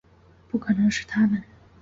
不可能是他们